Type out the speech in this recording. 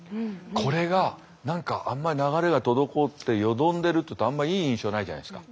これが何か流れが滞ってよどんでるっていうとあんまいい印象ないじゃないですか。